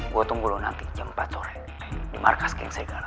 gue tunggu lo nanti jam empat sore di markas geng serigala